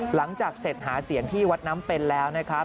หลังจากเสร็จหาเสียงที่วัดน้ำเป็นแล้วนะครับ